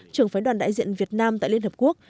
trưởng phái đoàn đại diện việt nam tại liên hợp quốc